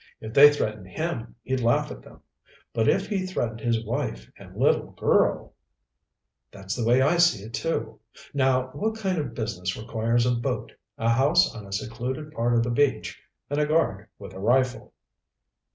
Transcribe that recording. If they threatened him, he'd laugh at them. But if they threatened his wife and little girl ..." "That's the way I see it, too. Now, what kind of business requires a boat, a house on a secluded part of the beach, and a guard with a rifle?"